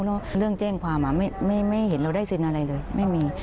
แล้วเรื่องแจ้งความไม่เห็นเราได้เซ็นอะไรเลยไม่มี